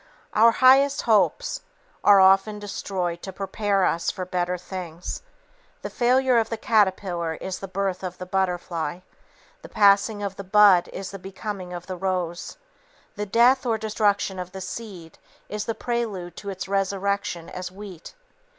Our highest hopes, are often destroyed to prepare us for better things. The failure of the caterpillar is the birth of the butterfly; the passing of the bud is the becoming of the rose; the death or destruction of the seed is the prelude to its resurrection as wheat.